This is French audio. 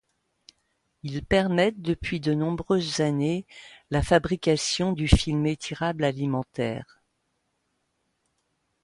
Ils permettent depuis de nombreuses années la fabrication du film étirable alimentaire.